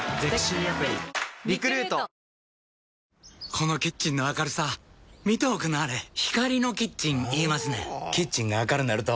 このキッチンの明るさ見ておくんなはれ光のキッチン言いますねんほぉキッチンが明るなると・・・